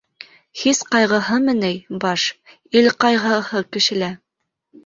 — Хис ҡайғыһымы ни, баш, ил ҡайғыһы кешелә!